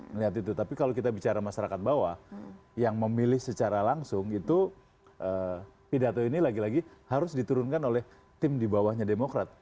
melihat itu tapi kalau kita bicara masyarakat bawah yang memilih secara langsung itu pidato ini lagi lagi harus diturunkan oleh tim di bawahnya demokrat